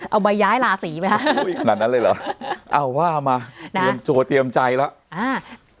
เอาใบย้ายราศีไหมคะอุ้ยขนาดนั้นเลยเหรอเอาว่ามาเตรียมตัวเตรียมใจแล้วอ่า